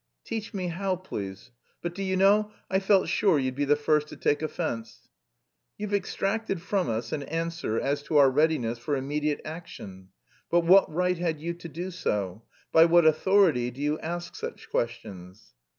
"Teach me how, please. But do you know, I felt sure you'd be the first to take offence." "You've extracted from us an answer as to our readiness for immediate action; but what right had you to do so? By what authority do you ask such questions?"